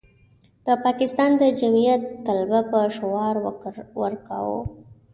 د پاکستان د جمعیت طلبه به شعار ورکاوه.